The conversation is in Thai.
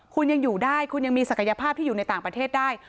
คุณยังอยู่ได้คุณยังมีศักยภาพที่อยู่ในต่างประเทศได้